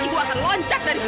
ibu akan loncat dari sini